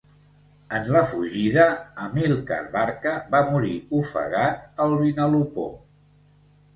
En la fugida, Amílcar Barca va morir ofegat al Vinalopó.